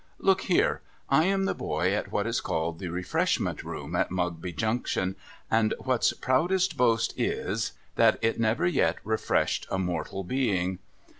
I^ook here. I am the boy at what is called The Refreshment Room at Mugby Junction, and what's proudest boast is, that it never yet refreshed a mortal being.